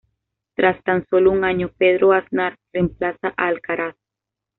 Tras tan sólo un año, Pedro Aznar reemplaza a Alcaraz.